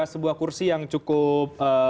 sebuah kursi yang cukup